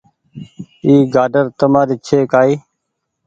اي گآڊر تمآري ڇي ڪآئي